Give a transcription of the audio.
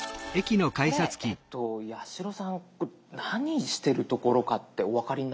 これ八代さん何してるところかってお分かりになりますか？